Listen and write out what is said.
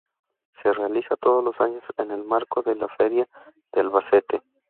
Se realiza todos los años en el marco de la Feria de Albacete.